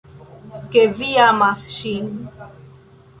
Ke vi amas ŝin.